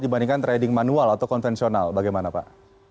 dibandingkan trading manual atau konvensional bagaimana pak